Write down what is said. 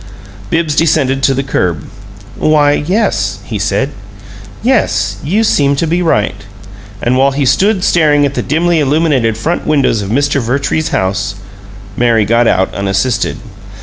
Bibbs descended to the curb. "Why, yes," he said. "Yes, you seem to be right." And while he stood staring at the dimly illuminated front windows of Mr. Vertrees's house Mary got out, unassisted.